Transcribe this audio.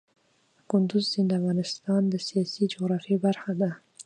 کندز سیند د افغانستان د سیاسي جغرافیه برخه ده.